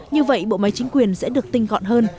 như vậy bộ máy chính quyền sẽ được tinh gọn hơn